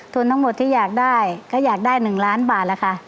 ทั้งหมดที่อยากได้ก็อยากได้๑ล้านบาทแล้วค่ะ